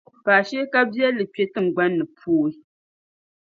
faashee kabiɛlli kpe tiŋgban’ ni pooi.